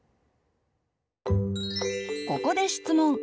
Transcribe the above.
ここで質問。